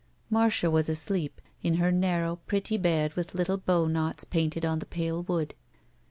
Marda was asleep, in her narrow, pretty bed with little bowknots painted on the pale wood.